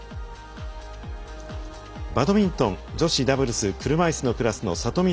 バドミントン女子ダブルス車いすのクラスの里見